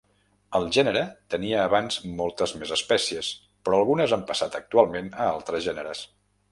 El gènere tenia abans moltes més espècies però algunes han passat actualment a altres gèneres.